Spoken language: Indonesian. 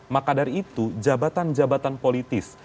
maka dari itu jabatan jabatan politis